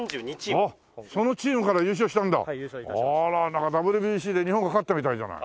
なんかＷＢＣで日本が勝ったみたいじゃない。